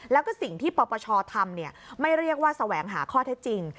แล้วก็สิ่งที่ปปชทำไม่เรียกว่าแสวงหาข้อเท็จจริง